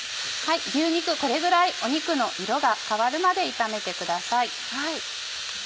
牛肉これぐらい肉の色が変わるまで炒めてください。